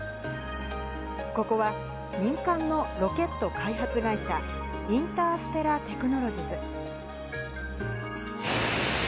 ここは民間のロケット開発会社、インターステラテクノロジズ。